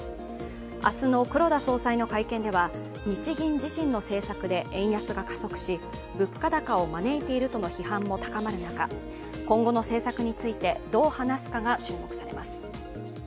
明日の黒田総裁の会見では日銀自身の政策で円安が加速し、物価高を招いているとの批判も高まる中、今後の政策についてどう話すかが注目されます。